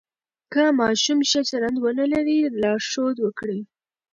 که ماشوم ښه چلند ونه کړي، لارښود ورکړئ.